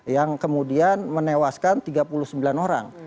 yang kemudian menewaskan tiga puluh sembilan orang